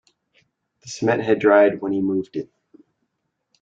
The cement had dried when he moved it.